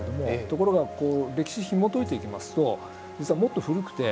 ところが歴史ひもといていきますと実はもっと古くて。